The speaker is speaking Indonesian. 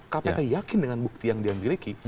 kpk yakin dengan bukti yang dia miliki